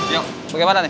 yuk bagaimana nih